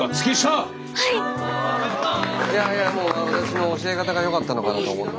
いやいやもう私の教え方がよかったのかなと思い。